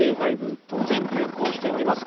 当然、流行しております。